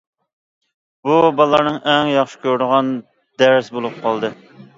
بۇ، بالىلارنىڭ ئەڭ ياخشى كۆرىدىغان دەرسى بولۇپ قالدى.